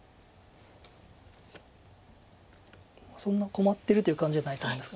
そんな困ってるという感じじゃないと思います。